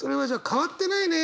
「変わってないね」